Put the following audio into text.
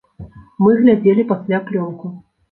Мы глядзелі пасля плёнку.